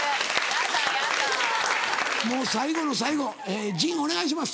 ・ヤダヤダ・もう最後の最後陣お願いします。